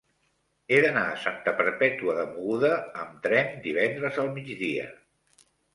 He d'anar a Santa Perpètua de Mogoda amb tren divendres al migdia.